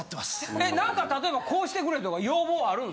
え何か例えばこうしてくれとか要望あるん？